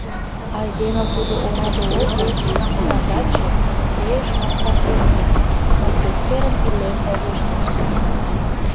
Айдеме тудо ораде огыл, кнагаче, пеш мастар плотник, но тептерын илен огеш мошто.